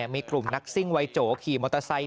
มีกลุ่มนักซิ่งวัยโจขี่มอเตอร์ไซค์